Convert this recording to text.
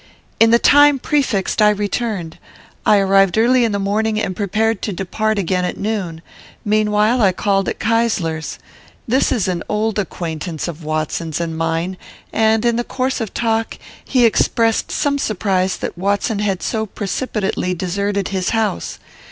"'In the time prefixed I returned. I arrived early in the morning, and prepared to depart again at noon. Meanwhile, I called at Keysler's. This is an old acquaintance of Watson's and mine; and, in the course of talk, he expressed some surprise that Watson had so precipitately deserted his house.